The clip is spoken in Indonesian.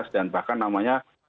dan bahkan namanya baru